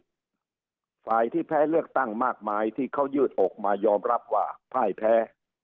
ฝ่ายที่แพ้เลือกตั้งมากมายที่เขายืดอกมายอมรับว่าพ่ายแพ้